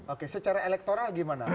oke secara elektoral gimana